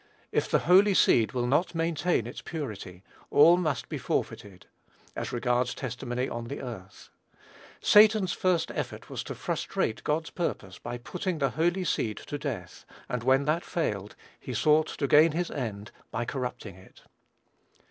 If the holy seed will not maintain its purity, all must be forfeited, as regards testimony on the earth. Satan's first effort was to frustrate God's purpose, by putting the holy seed to death; and when that failed, he sought to gain his end by corrupting it.